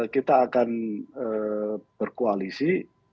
kita akan berkoalisi